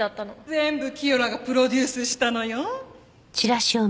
全部キヨラがプロデュースしたのよ。